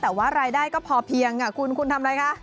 แต่ว่ารายได้ก็พอเพียงคุณคุณทำอะไรคะ